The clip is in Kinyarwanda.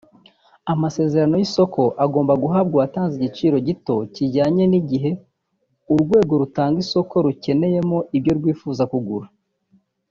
Amasezerano y’isoko agomba guhabwa uwatanze igiciro gito kijyanye n’igihe urwego rutanga isoko rukeneyemo ibyo rwifuza kugura